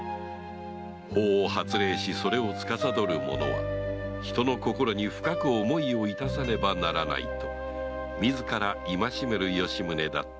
法を発令しそれを司る者は人の心に深く思いをいたさねばならないと自ら戒める吉宗だった